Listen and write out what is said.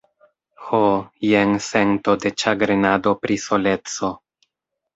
Ho, jen sento de ĉagrenado pri soleco.